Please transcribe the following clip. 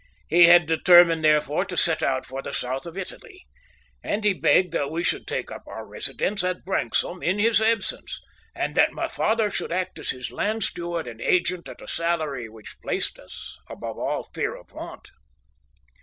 He had determined, therefore to set out for the South of Italy, and he begged that we should take up our residence at Branksome in his absence, and that my father should act as his land steward and agent at a salary which placed us above all fear of want.